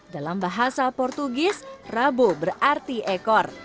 dalam bahasa portugis rabo berarti ekor